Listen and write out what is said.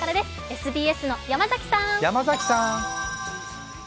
ＳＢＳの山崎さん。